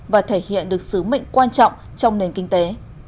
và thể hiện được sứ mệnh quan trọng trong nền kinh tế